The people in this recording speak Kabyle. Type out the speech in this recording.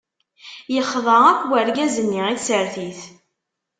Yexḍa akk wergaz-nni i tsertit.